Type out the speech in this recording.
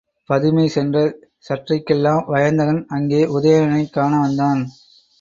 பதுமை சென்ற சற்றைக்கெல்லாம் வயந்தகன் அங்கே உதயணனைக் காண வந்தான்.